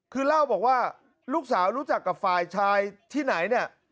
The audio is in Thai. คือเล่าบอกว่าลูกสาวรู้จักกับฝ่ายชายที่ไหนเนี่ย